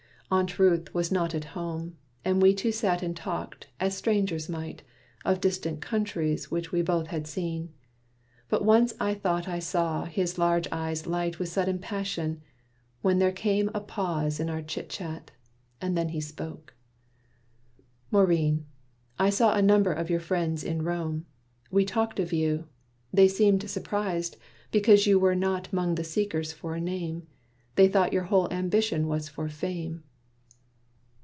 Aunt Ruth was not at home, And we two sat and talked, as strangers might, Of distant countries which we both had seen. But once I thought I saw his large eyes light With sudden passion, when there came a pause In our chit chat, and then he spoke: "Maurine, I saw a number of your friends in Rome. We talked of you. They seemed surprised, because You were not 'mong the seekers for a name. They thought your whole ambition was for fame."